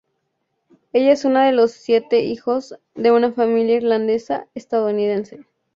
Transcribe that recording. Ella es una de los siete hijos de una familia irlandesa-estadounidense.